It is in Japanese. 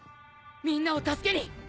みんなを助けに。